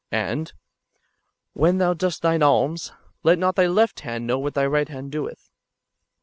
'^ And, " When thou doest thine alms, let not thy left hand know what thy right hand doeth."